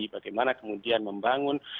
bagaimana kemudian membangun